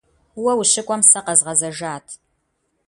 Уэ ущыкӏуэм сэ къэзгъэзэжат.